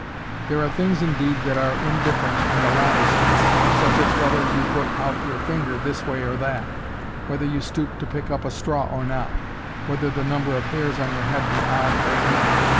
There are things indeed that are indifferent in the latter sense, such as whether you put out your finger this way or that, whether you stoop to pick up a straw or not, whether the number of hairs on your head be odd or even.